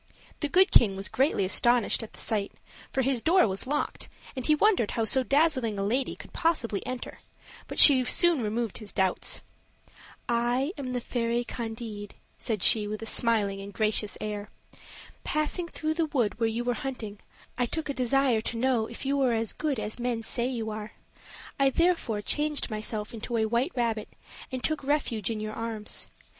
The Good King was greatly astonished at the sight; for his door was locked, and he wondered how so dazzling a lady could possibly enter; but she soon removed his doubts. "I am the fairy Candide," said she, with a smiling and gracious air. "Passing through the wood where you were hunting, I took a desire to know if you were as good as men say you are I therefore changed myself into a white rabbit and took refuge in your arms.